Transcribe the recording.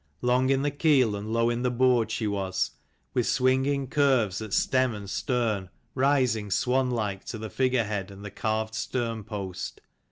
Long in the keel and low in the board she was, with swinging curves at stem and stern rising swan like to the figure head and the carved stern post.